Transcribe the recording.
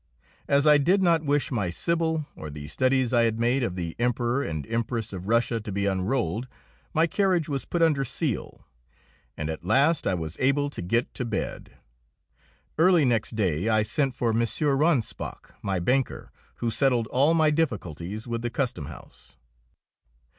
As I did not wish my "Sibyl" or the studies I had made of the Emperor and Empress of Russia to be unrolled, my carriage was put under seal, and at last I was able to get to bed. Early next day I sent for M. Ranspach, my banker, who settled all my difficulties with the custom house.